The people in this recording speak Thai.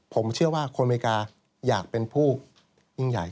ผมเชื่อว่าคนอเมริกาอยากเป็นผู้ยิ่งใหญ่